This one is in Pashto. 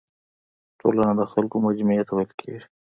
ټولنه د خلکو مجموعي ته ويل کيږي.